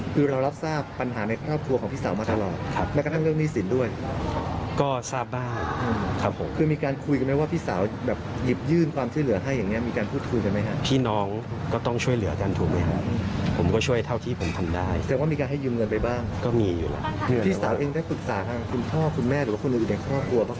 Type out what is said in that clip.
ก็มีอยู่แล้วพี่สาวเองได้ปรึกษาค่ะคุณพ่อคุณแม่หรือว่าคนอื่นในครอบครัวบ้างไหมค่ะ